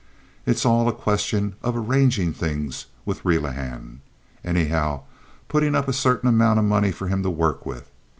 It's all a question of arranging things with Relihan, anyhow, putting up a certain amount of money for him to work with.